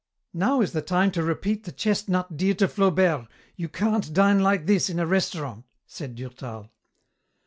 "Now is the time to repeat the chestnut dear to Flaubert, 'You can't dine like this in a restaurant,'" said Durtal.